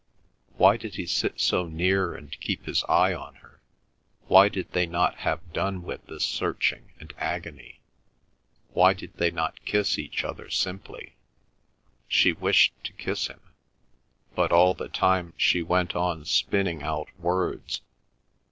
Why did he sit so near and keep his eye on her? Why did they not have done with this searching and agony? Why did they not kiss each other simply? She wished to kiss him. But all the time she went on spinning out words.